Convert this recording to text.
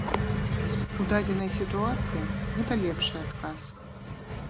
У дадзенай сітуацыі гэта лепшы адказ.